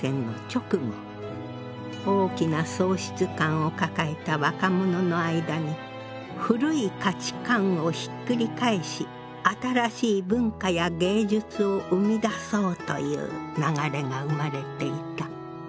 大きな喪失感を抱えた若者の間に古い価値観をひっくり返し新しい文化や芸術を生み出そうという流れが生まれていた。